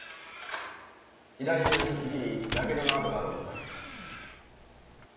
左腕の肘に火傷の痕がある男。